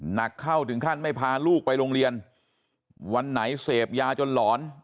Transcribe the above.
หนักเข้าถึงขั้นไม่พาลูกไปโรงเรียนวันไหนเสพยาจนหลอน